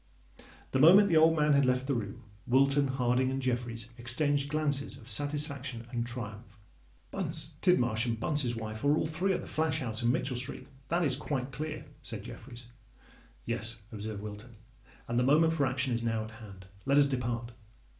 The moment the old man had left the room, Wilton, Harding, and Jeffreys exchanged glances of satisfaction and triumph. "Bunce, Tidmarsh, and Bunce's wife are all three at the flash house in Mitchell Street—that is quite clear," said Jeffreys. "Yes," observed Wilton: "and the moment for action is now at hand. Let us depart."